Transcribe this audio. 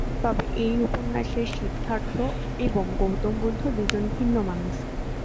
তবে এই উপন্যাসের সিদ্ধার্থ এবং গৌতম বুদ্ধ দু'জন ভিন্ন মানুষ।